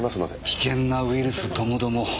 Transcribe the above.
危険なウイルスともども。